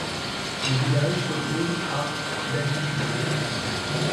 Le village se trouve à d'altitude.